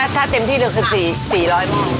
ถ้าเต็มที่เลือกคือ๔๐๐หม้อ